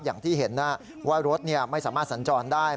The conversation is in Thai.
อย่างที่เห็นว่ารถไม่สามารถสัญจรได้